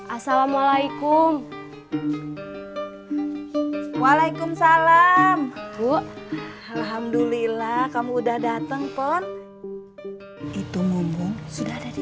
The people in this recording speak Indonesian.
assalamualaikum waalaikumsalam bu alhamdulillah kamu udah datang pon itu ngomong sudah ada di